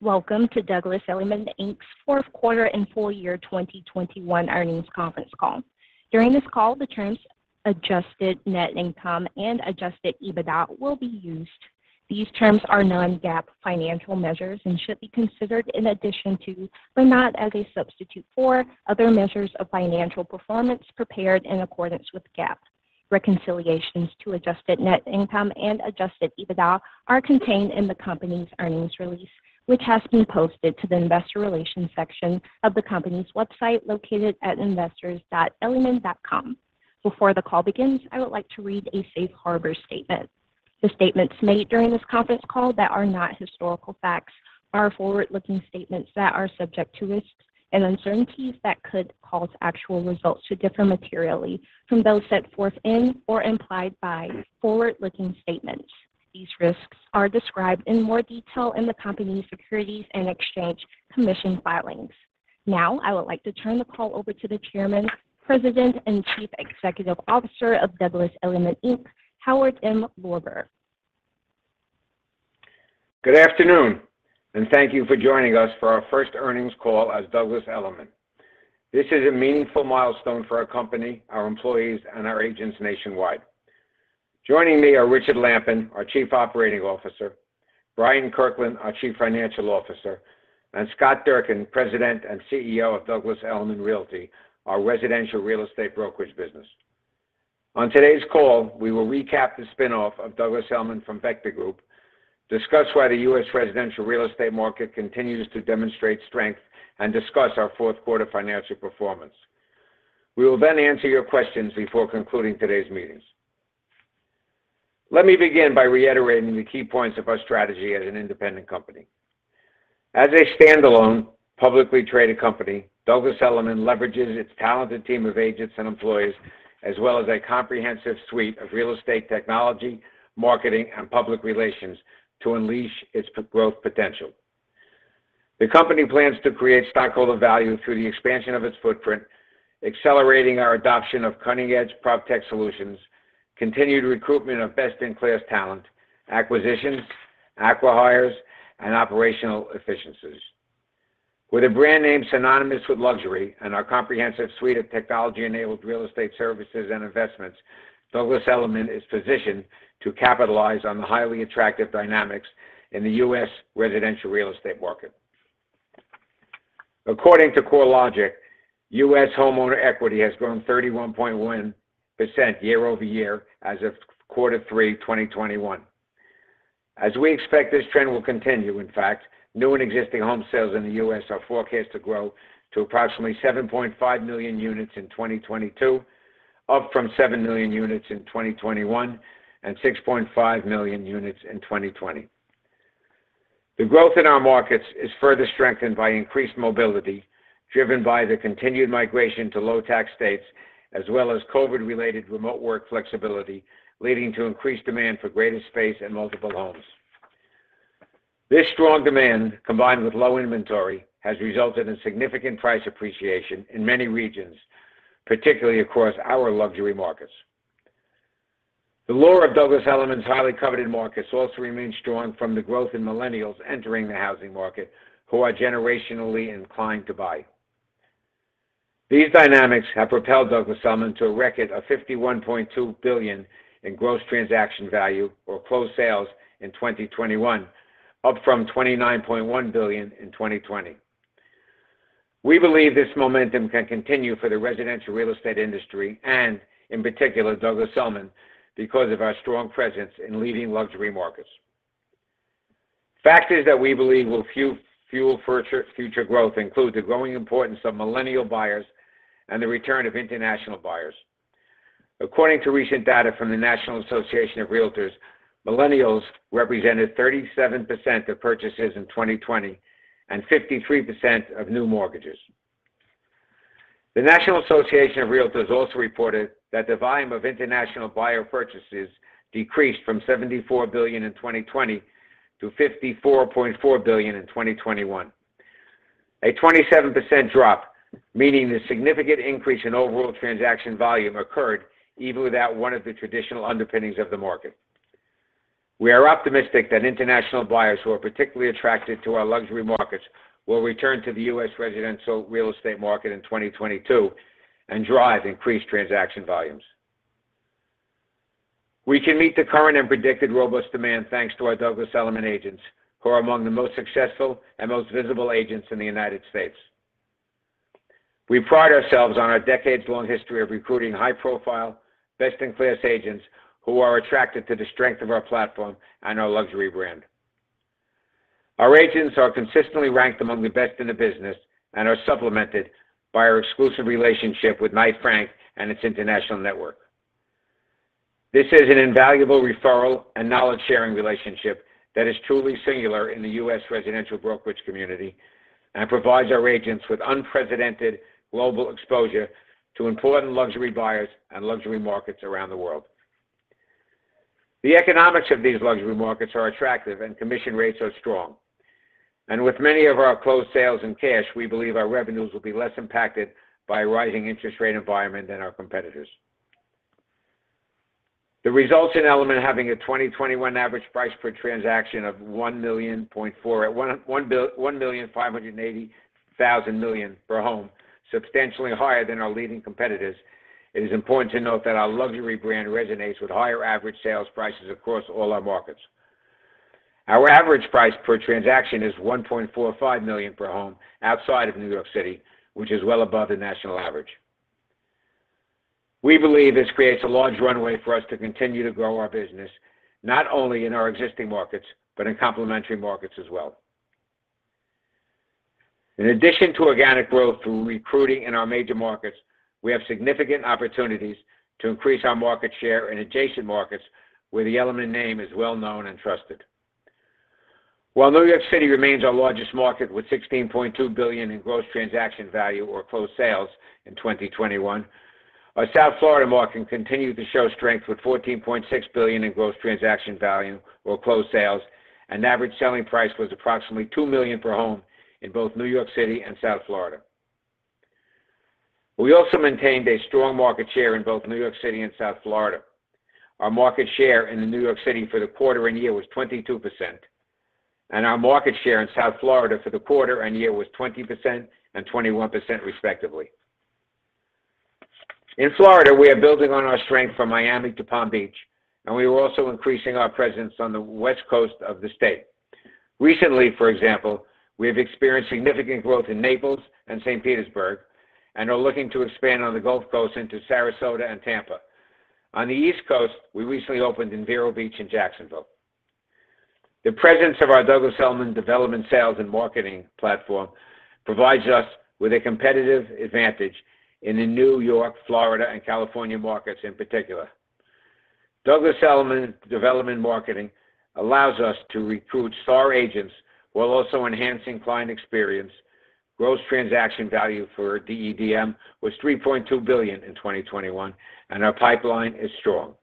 Welcome to Douglas Elliman Inc.'s fourth quarter and full year 2021 earnings conference call. During this call, the terms adjusted net income and adjusted EBITDA will be used. These terms are non-GAAP financial measures and should be considered in addition to, but not as a substitute for, other measures of financial performance prepared in accordance with GAAP. Reconciliations to adjusted net income and adjusted EBITDA are contained in the company's earnings release, which has been posted to the investor relations section of the company's website, located at investors.elliman.com. Before the call begins, I would like to read a safe harbor statement. The statements made during this conference call that are not historical facts are forward-looking statements that are subject to risks and uncertainties that could cause actual results to differ materially from those set forth in or implied by forward-looking statements. These risks are described in more detail in the company's Securities and Exchange Commission filings. Now, I would like to turn the call over to the Chairman, President, and Chief Executive Officer of Douglas Elliman Inc., Howard M. Lorber. Good afternoon, and thank you for joining us for our first earnings call as Douglas Elliman. This is a meaningful milestone for our company, our employees, and our agents nationwide. Joining me are Richard Lampen, our Chief Operating Officer, Bryant Kirkland, our Chief Financial Officer, and Scott Durkin, President and CEO of Douglas Elliman Realty, our residential real estate brokerage business. On today's call, we will recap the spin-off of Douglas Elliman from Vector Group, discuss why the U.S. residential real estate market continues to demonstrate strength, and discuss our fourth quarter financial performance. We will then answer your questions before concluding today's meetings. Let me begin by reiterating the key points of our strategy as an independent company. As a standalone, publicly traded company, Douglas Elliman leverages its talented team of agents and employees, as well as a comprehensive suite of real estate technology, marketing, and public relations to unleash its growth potential. The company plans to create stockholder value through the expansion of its footprint, accelerating our adoption of cutting-edge PropTech solutions, continued recruitment of best-in-class talent, acquisitions, acqui-hires, and operational efficiencies. With a brand name synonymous with luxury and our comprehensive suite of technology-enabled real estate services and investments, Douglas Elliman is positioned to capitalize on the highly attractive dynamics in the U.S. residential real estate market. According to CoreLogic, U.S. homeowner equity has grown 31.1% year-over-year as of quarter three 2021. As we expect, this trend will continue, in fact, new and existing home sales in the U.S. are forecast to grow to approximately 7.5 million units in 2022, up from 7 million units in 2021 and 6.5 million units in 2020. The growth in our markets is further strengthened by increased mobility driven by the continued migration to low tax states, as well as COVID-related remote work flexibility, leading to increased demand for greater space and multiple homes. This strong demand, combined with low inventory, has resulted in significant price appreciation in many regions, particularly across our luxury markets. The lure of Douglas Elliman's highly coveted markets also remains strong from the growth in millennials entering the housing market who are generationally inclined to buy. These dynamics have propelled Douglas Elliman to a record of $51.2 billion in gross transaction value or closed sales in 2021, up from $29.1 billion in 2020. We believe this momentum can continue for the residential real estate industry and, in particular, Douglas Elliman because of our strong presence in leading luxury markets. Factors that we believe will fuel future growth include the growing importance of millennial buyers and the return of international buyers. According to recent data from the National Association of REALTORS, millennials represented 37% of purchases in 2020 and 53% of new mortgages. The National Association of REALTORS also reported that the volume of international buyer purchases decreased from $74 billion in 2020 to $54.4 billion in 2021. A 27% drop, meaning the significant increase in overall transaction volume occurred even without one of the traditional underpinnings of the market. We are optimistic that international buyers who are particularly attracted to our luxury markets will return to the U.S. residential real estate market in 2022 and drive increased transaction volumes. We can meet the current and predicted robust demand thanks to our Douglas Elliman agents, who are among the most successful and most visible agents in the United States. We pride ourselves on our decades-long history of recruiting high-profile, best-in-class agents who are attracted to the strength of our platform and our luxury brand. Our agents are consistently ranked among the best in the business and are supplemented by our exclusive relationship with Knight Frank and its international network. This is an invaluable referral and knowledge-sharing relationship that is truly singular in the U.S. residential brokerage community and provides our agents with unprecedented global exposure to important luxury buyers and luxury markets around the world. The economics of these luxury markets are attractive and commission rates are strong. With many of our closed sales in cash, we believe our revenues will be less impacted by a rising interest rate environment than our competitors. The results in Elliman having a 2021 average price per transaction of $1.58 million per home, substantially higher than our leading competitors. It is important to note that our luxury brand resonates with higher average sales prices across all our markets. Our average price per transaction is $1.45 million per home outside of New York City, which is well above the national average. We believe this creates a large runway for us to continue to grow our business, not only in our existing markets, but in complementary markets as well. In addition to organic growth through recruiting in our major markets, we have significant opportunities to increase our market share in adjacent markets where the Elliman name is well known and trusted. While New York City remains our largest market with $16.2 billion in gross transaction value or closed sales in 2021, our South Florida market continued to show strength with $14.6 billion in gross transaction value or closed sales, and average selling price was approximately $2 million per home in both New York City and South Florida. We also maintained a strong market share in both New York City and South Florida. Our market share in the New York City for the quarter and year was 22%, and our market share in South Florida for the quarter and year was 20% and 21% respectively. In Florida, we are building on our strength from Miami to Palm Beach, and we are also increasing our presence on the West Coast of the state. Recently, for example, we have experienced significant growth in Naples and St. Petersburg, and are looking to expand on the Gulf Coast into Sarasota and Tampa. On the East Coast, we recently opened in Vero Beach and Jacksonville. The presence of our Douglas Elliman Development Sales and Marketing platform provides us with a competitive advantage in the New York, Florida, and California markets in particular. Douglas Elliman Development Marketing allows us to recruit star agents while also enhancing client experience. Gross transaction value for DEDM was $3.2 billion in 2021, and our pipeline is strong.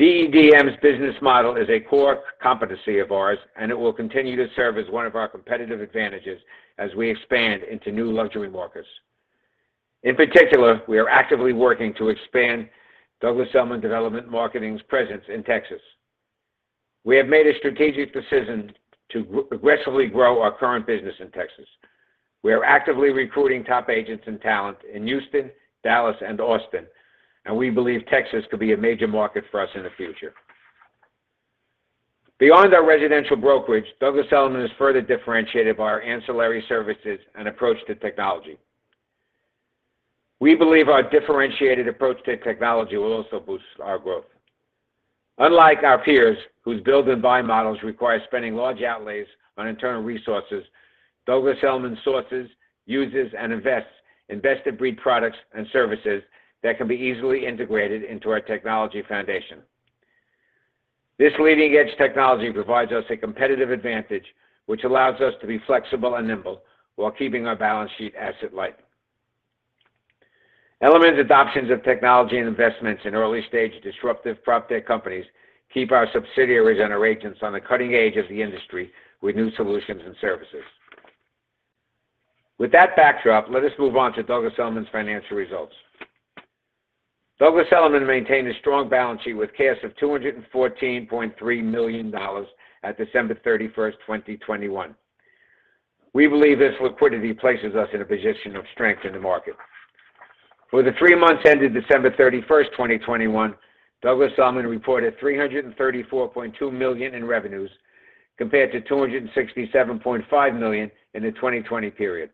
DEDM's business model is a core competency of ours, and it will continue to serve as one of our competitive advantages as we expand into new luxury markets. In particular, we are actively working to expand Douglas Elliman Development Marketing's presence in Texas. We have made a strategic decision to aggressively grow our current business in Texas. We are actively recruiting top agents and talent in Houston, Dallas, and Austin, and we believe Texas could be a major market for us in the future. Beyond our residential brokerage, Douglas Elliman is further differentiated by our ancillary services and approach to technology. We believe our differentiated approach to technology will also boost our growth. Unlike our peers, whose build and buy models require spending large outlays on internal resources, Douglas Elliman sources, uses, and invests in best-of-breed products and services that can be easily integrated into our technology foundation. This leading-edge technology provides us a competitive advantage, which allows us to be flexible and nimble while keeping our balance sheet asset-light. Elliman adoptions of technology and investments in early-stage disruptive PropTech companies keep our subsidiaries and our agents on the cutting edge of the industry with new solutions and services. With that backdrop, let us move on to Douglas Elliman's financial results. Douglas Elliman maintained a strong balance sheet with cash of $214.3 million at December 31st, 2021. We believe this liquidity places us in a position of strength in the market. For the three months ended December 31st, 2021, Douglas Elliman reported $334.2 million in revenues compared to $267.5 million in the 2020 period.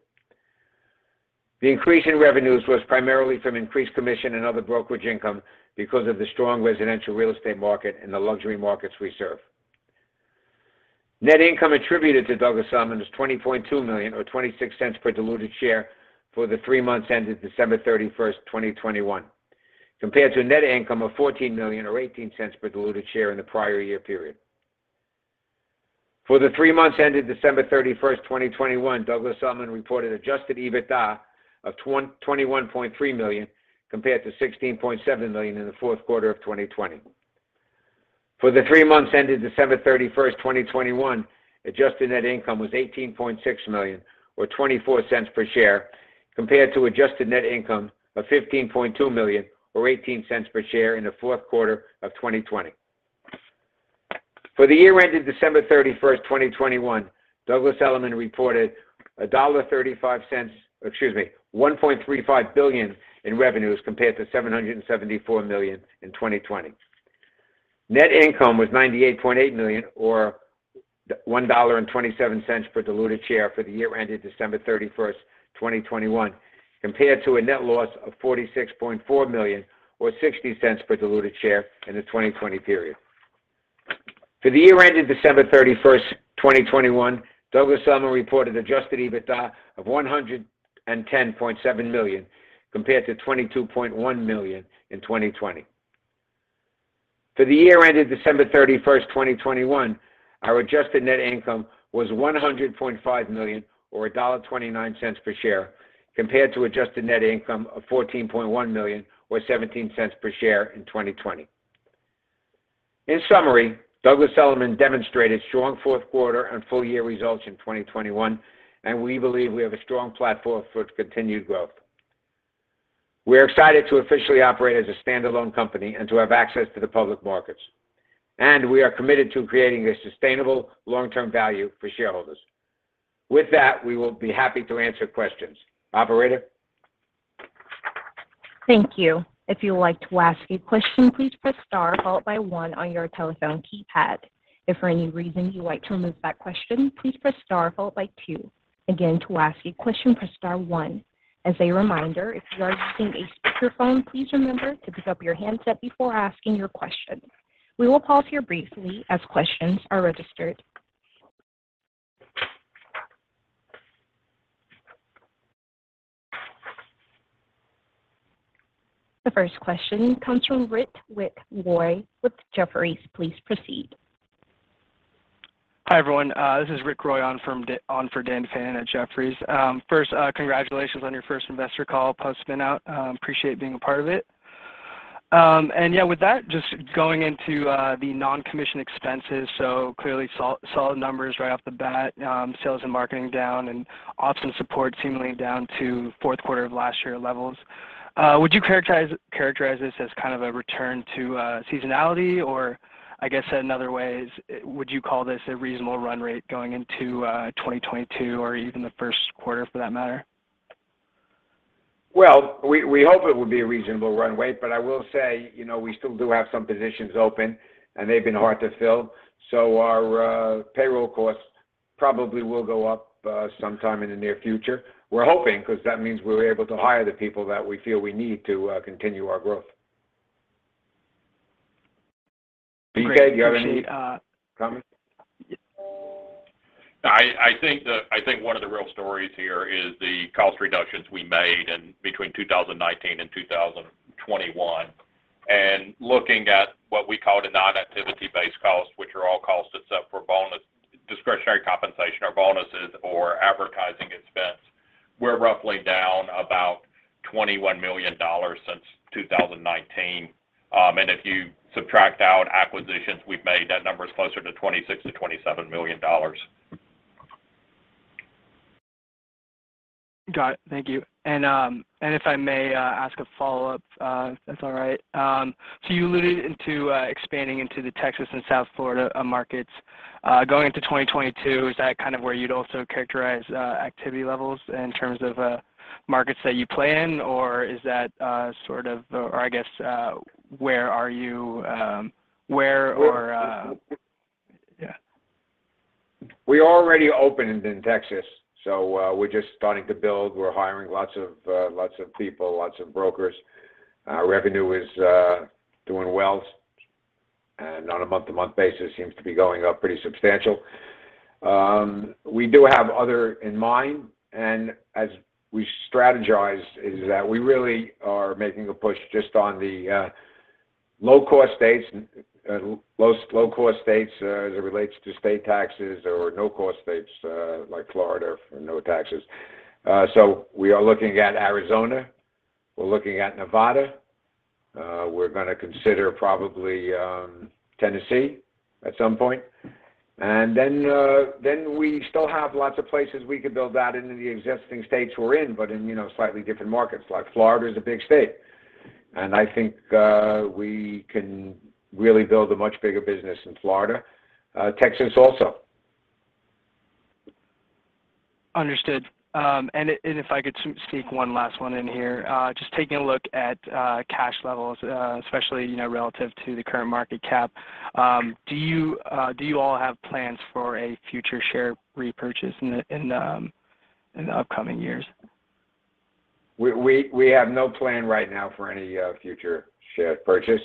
The increase in revenues was primarily from increased commission and other brokerage income because of the strong residential real estate market in the luxury markets we serve. Net income attributed to Douglas Elliman was $20.2 million or $0.26 per diluted share for the three months ended December 31st, 2021, compared to a net income of $14 million or $0.18 per diluted share in the prior year period. For the three months ended December 31st, 2021, Douglas Elliman reported adjusted EBITDA of $21.3 million compared to $16.7 million in the fourth quarter of 2020. For the three months ended December 31st, 2021, adjusted net income was $18.6 million or $0.24 per share compared to adjusted net income of $15.2 million or $0.18 per share in the fourth quarter of 2020. For the year ended December 31st, 2021, Douglas Elliman reported, excuse me, $1.35 billion in revenues compared to $774 million in 2020. Net income was $98.8 million or $1.27 per diluted share for the year ended December 31st, 2021, compared to a net loss of $46.4 million or $0.60 per diluted share in the 2020 period. For the year ended December 31st, 2021, Douglas Elliman reported adjusted EBITDA of $110.7 million compared to $22.1 million in 2020. For the year ended December 31st, 2021, our adjusted net income was $100.5 million or $1.29 per share compared to adjusted net income of $14.1 million or $0.17 per share in 2020. In summary, Douglas Elliman demonstrated strong fourth quarter and full year results in 2021, and we believe we have a strong platform for continued growth. We're excited to officially operate as a standalone company and to have access to the public markets. We are committed to creating a sustainable long-term value for shareholders. With that, we will be happy to answer questions. Operator? Thank you. If you would like to ask your question please star followed by one on your telephone keypad, If for any reason you would like to turn back the question please press star followed by two. Again, to ask a question, press star-one. As a reminder, please pick up your handset before asking your question. The first question comes from Ritwik Roy with Jefferies. Please proceed. Hi, everyone. This is Ritwik Roy on for Daniel Fannon at Jefferies. First, congratulations on your first investor call post-spin out. Appreciate being a part of it. With that, just going into the non-commission expenses, so clearly solid numbers right off the bat, sales and marketing down and ops and support seemingly down to fourth quarter of last year levels. Would you characterize this as kind of a return to seasonality? I guess said another way is, would you call this a reasonable run rate going into 2022 or even the first quarter for that matter? Well, we hope it would be a reasonable run rate, but I will say, you know, we still do have some positions open and they've been hard to fill. Our payroll costs probably will go up sometime in the near future. We're hoping, 'cause that means we're able to hire the people that we feel we need to continue our growth. Richard, you have any comment? Great. Appreciate. I think one of the real stories here is the cost reductions we made between 2019 and 2021. Looking at what we call the non-activity based costs, which are all costs except for bonuses, discretionary compensation, or advertising expense. We're roughly down about $21 million since 2019. If you subtract out acquisitions we've made, that number is closer to $26 million-$27 million. Got it. Thank you. If I may ask a follow-up, if that's all right. You alluded to expanding into the Texas and South Florida markets going into 2022. Is that kind of where you'd also characterize activity levels in terms of markets that you play in? I guess, where are you? Yeah. We already opened in Texas, so we're just starting to build. We're hiring lots of people, lots of brokers. Revenue is doing well on a month-to-month basis and seems to be going up pretty substantially. We do have others in mind, and as we strategize, it's that we really are making a push just on the low-cost states, as it relates to state taxes or no-cost states, like Florida for no taxes. We are looking at Arizona, we're looking at Nevada. We're going to consider probably Tennessee at some point. Then we still have lots of places we could build out into the existing states we're in, but in, you know, slightly different markets. Like Florida is a big state, and I think, we can really build a much bigger business in Florida. Texas also. Understood. If I could sneak one last one in here, just taking a look at cash levels, especially, you know, relative to the current market cap, do you all have plans for a future share repurchase in the upcoming years? We have no plan right now for any future share purchase.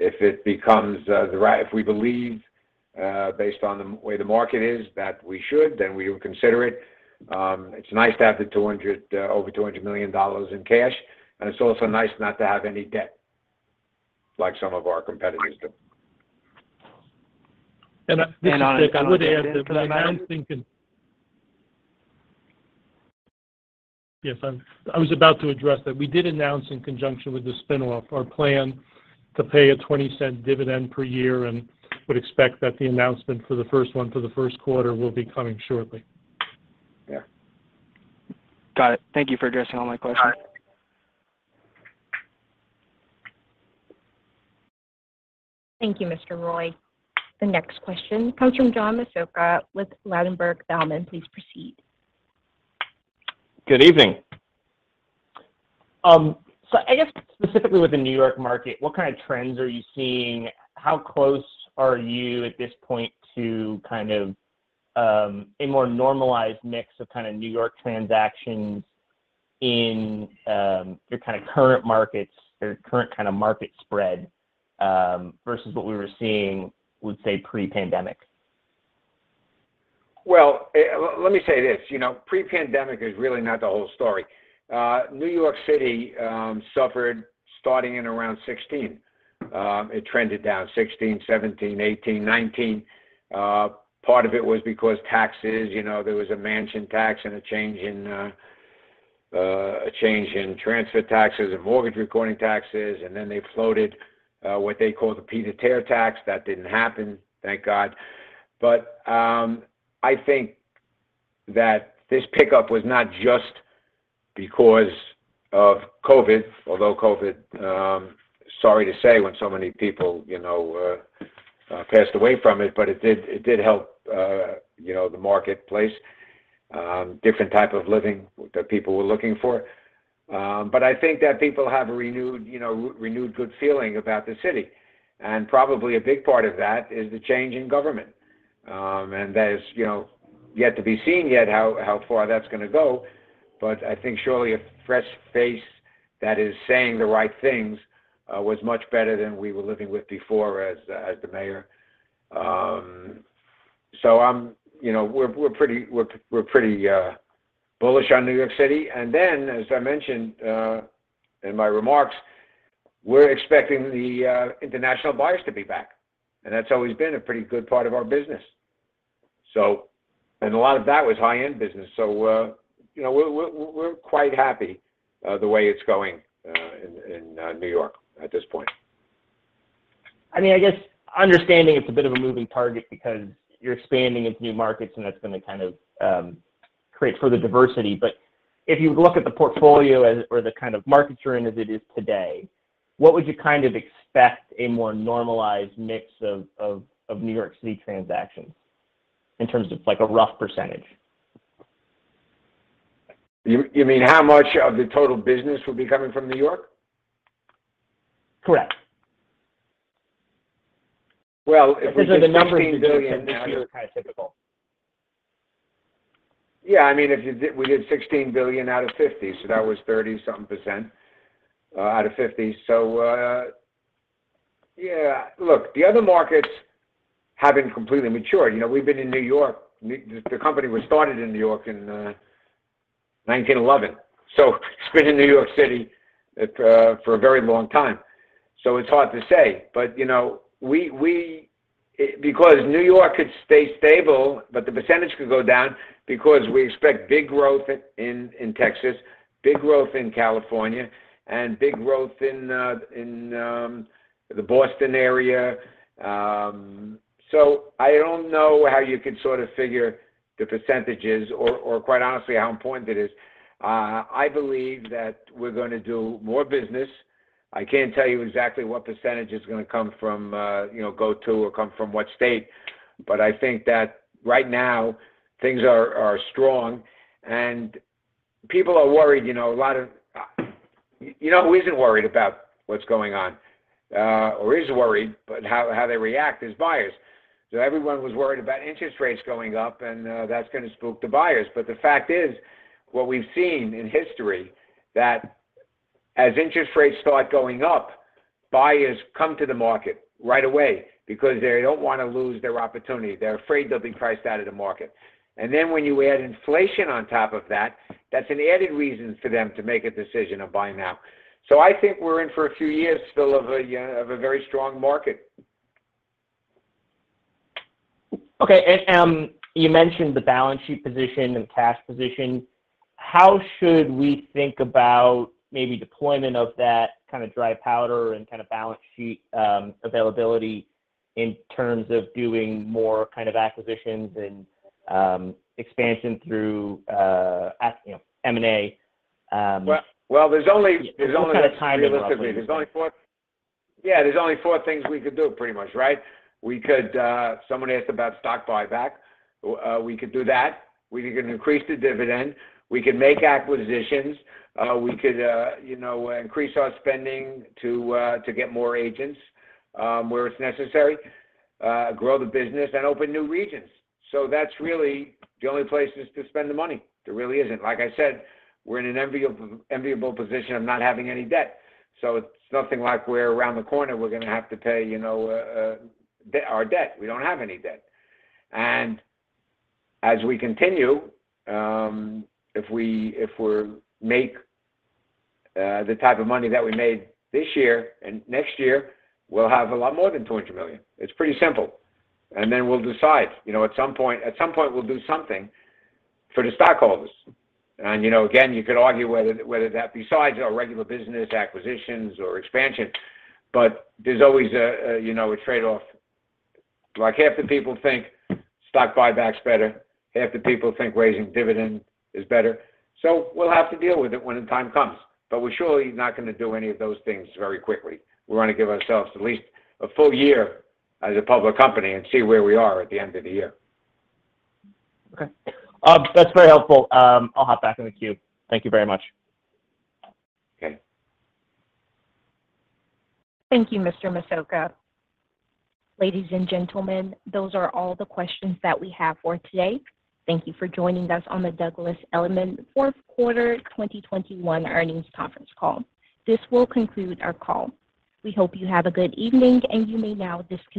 If we believe based on the way the market is that we should, then we will consider it. It's nice to have over $200 million in cash, and it's also nice not to have any debt like some of our competitors do. This is Richard Lampen. I would add that I was about to address that. We did announce in conjunction with the spin-off our plan to pay a $0.20 dividend per year, and would expect that the announcement for the first one for the first quarter will be coming shortly. Got it. Thank you for addressing all my questions. Thank you, Mr. Roy. The next question comes from John Massocca with Ladenburg Thalmann. Please proceed. Good evening. I guess specifically with the New York market, what kind of trends are you seeing? How close are you at this point to kind of a more normalized mix of kind of New York transactions in your kind of current markets or current kind of market spread versus what we were seeing, I would say, pre-pandemic? Well, let me say this, you know, pre-pandemic is really not the whole story. New York City suffered starting in around 2016. It trended down 2016, 2017, 2018, 2019. Part of it was because taxes, you know, there was a mansion tax and a change in transfer taxes and mortgage recording taxes, and then they floated what they call the pied-à-terre tax. That didn't happen, thank God. I think that this pickup was not just because of COVID. Although COVID, sorry to say, when so many people, you know, passed away from it, but it did help, you know, the marketplace, different type of living that people were looking for. I think that people have a you know, renewed good feeling about the city. Probably a big part of that is the change in government. That is, you know, yet to be seen how far that's going to go. But I think surely a fresh face that is saying the right things was much better than we were living with before as the mayor. You know, we're pretty bullish on New York City. Then, as I mentioned in my remarks, we're expecting the international buyers to be back. That's always been a pretty good part of our business. A lot of that was high-end business. You know, we're quite happy the way it's going in New York at this point. I mean, I guess understanding it's a bit of a moving target because you're expanding into new markets, and that's goind to kind of create further diversity. If you look at the portfolio as, or the kind of markets you're in as it is today, what would you kind of expect a more normalized mix of New York City transactions in terms of like a rough percentage? You mean how much of the total business would be coming from New York? Correct.These are the numbers to do it, but now they're kind of typical. Yeah. I mean, we did $16 billion out of $50 billion, so that was 30-something percent out of $50 billion. Yeah. Look, the other markets haven't completely matured. You know, we've been in New York. The company was started in New York in 1911. It's been in New York City for a very long time. It's hard to say. You know, because New York could stay stable, but the percentage could go down because we expect big growth in Texas, big growth in California, and big growth in the Boston area. I don't know how you could sort of figure the percentages or quite honestly, how important it is. I believe that we're going to do more business. I can't tell you exactly what percentage is going to come from, you know, go to or come from what state. I think that right now, things are strong, and people are worried, you know. You know who isn't worried about what's going on? Is worried, but how they react as buyers. Everyone was worried about interest rates going up, and that's going to spook the buyers. The fact is, what we've seen in history that as interest rates start going up, buyers come to the market right away because they don't want to lose their opportunity. They're afraid they'll be priced out of the market. Then when you add inflation on top of that's an added reason for them to make a decision of buying now. I think we're in for a few years still of a very strong market. You mentioned the balance sheet position and cash position. How should we think about maybe deployment of that kind of dry powder and kind of balance sheet availability in terms of doing more kind of acquisitions and expansion through, as you know, M&A? What kind of timing roughly? There's only four things we could do, pretty much, right? We could. Someone asked about stock buyback. We could do that. We can increase the dividend. We could make acquisitions. We could, you know, increase our spending to get more agents where it's necessary, grow the business and open new regions. That's really the only places to spend the money. There really isn't. Like I said, we're in an enviable position of not having any debt. It's nothing like we're around the corner. We're going to have to pay, you know, our debt. We don't have any debt. As we continue, if we make the type of money that we made this year and next year, we'll have a lot more than $200 million. It's pretty simple. Then we'll decide. You know, at some point, we'll do something for the stockholders. You know, again, you could argue whether that besides our regular business acquisitions or expansion. There's always a, you know, a trade-off. Like, half the people think stock buyback's better, half the people think raising dividend is better. We'll have to deal with it when the time comes. We're surely not going to do any of those things very quickly. We want to give ourselves at least a full year as a public company and see where we are at the end of the year. Okay. That's very helpful. I'll hop back in the queue. Thank you very much. Okay. Thank you, Mr. Massocca. Ladies and gentlemen, those are all the questions that we have for today. Thank you for joining us on the Douglas Elliman fourth quarter 2021 earnings conference call. This will conclude our call. We hope you have a good evening, and you may now disconnect.